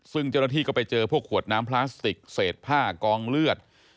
ซึ่งเจ้าหน้าที่ก็ไปเจอพวกขวดน้ำพลาสติกเศษผ้ากองเลือด